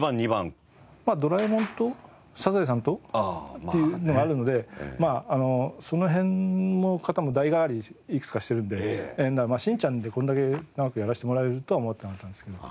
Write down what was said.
『ドラえもん』と『サザエさん』とっていうのがあるのでまああのその辺の方も代替わりいくつかしてるので『しんちゃん』でこれだけ長くやらせてもらえるとは思ってなかったんですけど。